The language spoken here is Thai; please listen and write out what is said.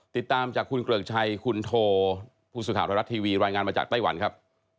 ติดตามจากคุณเกริกชัยคุณโทผู้สื่อข่าวไทยรัฐทีวีรายงานมาจากไต้หวันครับ